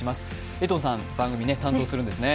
江藤さん、番組を担当するんですね。